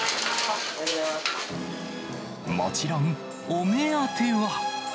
もちろん、お目当ては。